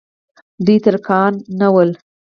دوی ترکان نه ول.